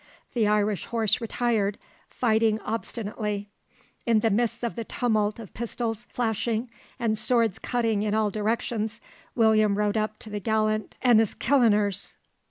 The Irish horse retired, fighting obstinately. In the midst of the tumult of pistols flashing and swords cutting in all directions, William rode up to the gallant Enniskilleners.